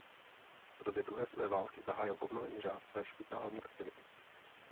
V době druhé světové války zahájil obnovený řád své špitální aktivity.